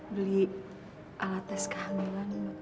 beli alat tes kehamilan